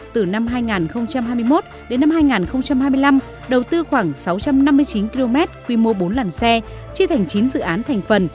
từ năm hai nghìn hai mươi một đến năm hai nghìn hai mươi năm đầu tư khoảng sáu trăm năm mươi chín km quy mô bốn làn xe chia thành chín dự án thành phần